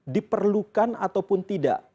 diperlukan ataupun tidak